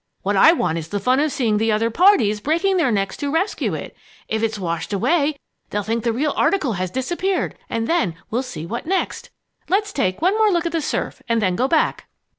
What I want is the fun of seeing the other parties breaking their necks to rescue it. If it's washed away they'll think the real article has disappeared, and then we'll see what next! Let's take one more look at the surf and then go back."